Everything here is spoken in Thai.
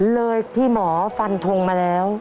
เลยพี่หมอฟันทงมาแล้ว